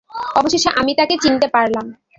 অবশেষে আমি তাকে চিনতে পারলাম।